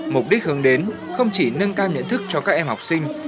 mục đích hướng đến không chỉ nâng cao nhận thức cho các em học sinh